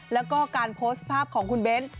แล้วก็การโพสต์ภาพของคุณเบ้น